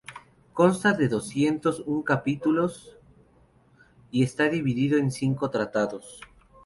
Consta de doscientos un capítulos y está dividido en cinco tratados.